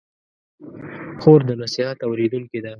خور د نصیحت اورېدونکې ده.